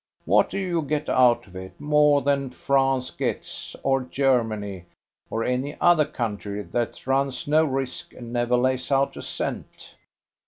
What do you get out of it, more than France gets, or Germany, or any other country, that runs no risk and never lays out a cent?"